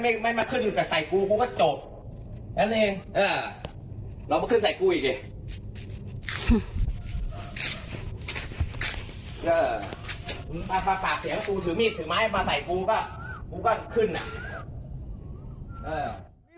อยากเสียงถือมีดถือไม้มาใส่กุ้งก็ขึ้นน่ะ